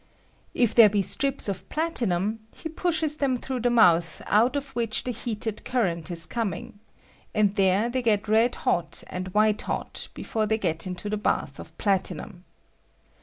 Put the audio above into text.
If there be strips of platinum, he pushes them through the mouth out of ■which the heated current is com ing, and there they get red hot and white hot before they get into the bath of platinum.